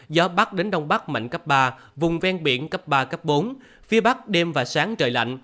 gió bắc đến đông bắc mạnh cấp ba vùng ven biển cấp ba cấp bốn phía bắc đêm và sáng trời lạnh